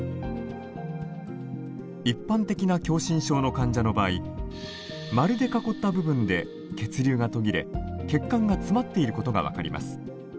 一般的な狭心症の患者の場合丸で囲った部分で血流が途切れ血管が詰まっていることが分かります。